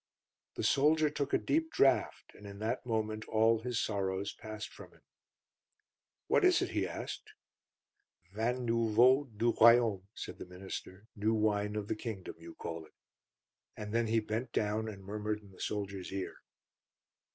The soldier took a deep draught, and in that moment all his sorrows passed from him. "What is it?" he asked? "Vin nouveau du Royaume," said the minister. "New Wine of the Kingdom, you call it." And then he bent down and murmured in the soldier's ear.